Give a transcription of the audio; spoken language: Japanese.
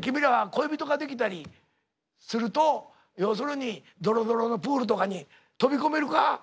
君らは恋人ができたりすると要するにどろどろのプールとかに飛び込めるか？